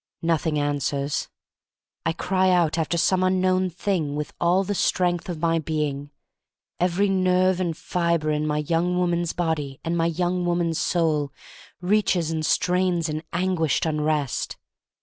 Nothing answers. I cry out after some unknown Thing with all the strength of my being; every nerve and fiber in my young woman's body and my young woman*s soul reaches and strains in anguished unrest.